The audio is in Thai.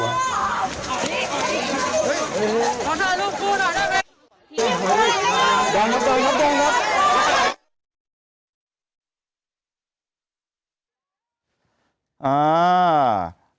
ตอนด้านตรงน้ำดงครับ